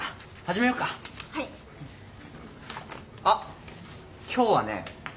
あっ今日はね